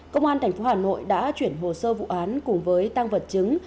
công an tp hcm đã chuyển hồ sơ vụ án cùng với tăng vật chứng